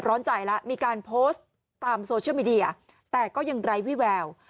ร้อนใจแล้วมีการโพสต์ตามโซเชียลมีเดียแต่ก็ยังไร้วิแวว